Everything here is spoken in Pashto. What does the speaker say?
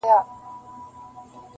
لږ صبر سه توپانه لا څپې دي چي راځي-